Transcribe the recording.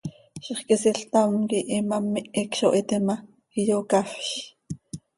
Zixquisiil ctam quih imám ihic zo hiite ma, iyocafz.